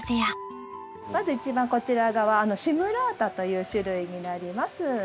まず一番こちら側シムラータという種類になります。